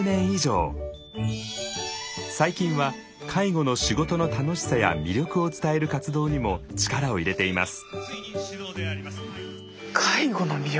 最近は介護の仕事の楽しさや魅力を伝える活動にも力を入れています。